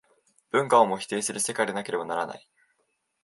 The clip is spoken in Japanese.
文化をも否定する世界でなければならない。